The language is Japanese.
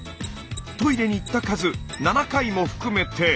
トイレに行った数７回も含めて。